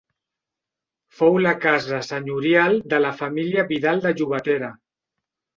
Fou la casa senyorial de la família Vidal de Llobatera.